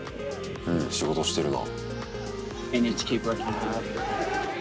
うん仕事してるな。